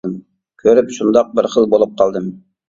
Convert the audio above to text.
كۆرۈپ شۇنداق بىر خىل بولۇپ قالدىم.